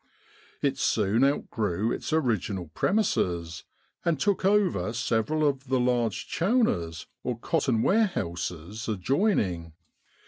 It soon outgrew its original premises, and took over several of the large chounahs, or cotton warehouses, adjoining.